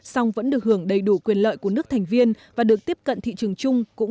song vẫn được hưởng đầy đủ quyền lợi của nước thành viên và được tiếp cận thị trường chung